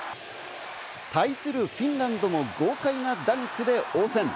対するフィンランドも豪快なダンクで応戦。